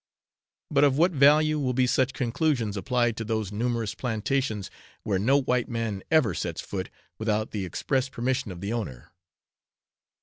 But of what value will be such conclusions applied to those numerous plantations where no white man ever sets foot without the express permission of the owner?